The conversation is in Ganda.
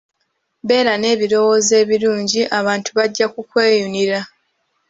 Beera n'ebirowoozo ebirungi abantu bajja kweyunira.